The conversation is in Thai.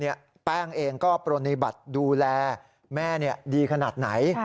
แป้งเองก็ปรณีบัติดูแลแม่ดีขนาดไหน